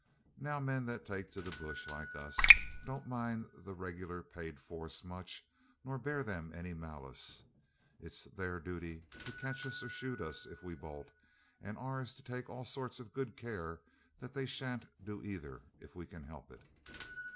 Now, men that take to the bush like us don't mind the regular paid force much, or bear them any malice. It's their duty to catch us or shoot us if we bolt, and ours to take all sorts of good care that they shan't do either if we can help it.